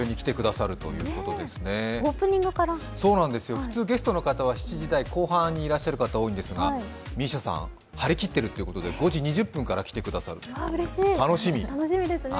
普通、ゲストの方は７時台後半にいらっしゃる方が多いんですが、ＭＩＳＩＡさん、張り切ってるということで５時２０分から来てくださると。の楽しみ。